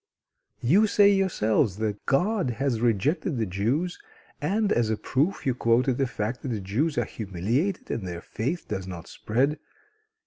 You say yourselves that God has rejected the Jews; and, as a proof, you quote the fact that the Jews are humiliated and their faith does not spread.